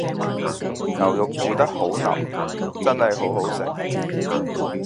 牛肉煮得好腍，真係好好食